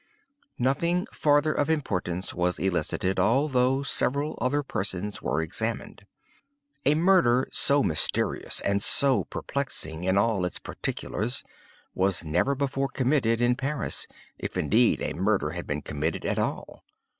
"Nothing farther of importance was elicited, although several other persons were examined. A murder so mysterious, and so perplexing in all its particulars, was never before committed in Paris—if indeed a murder has been committed at all.